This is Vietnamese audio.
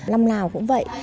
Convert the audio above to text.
năm nào cũng vậy